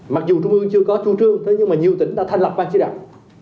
mặc dù trung ương chưa có chu trương thế nhưng mà nhiều tỉnh đã thành lập ban chỉ đạo